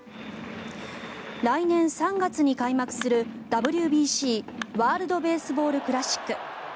来年３月に開幕するＷＢＣ＝ワールド・ベースボール・クラシック。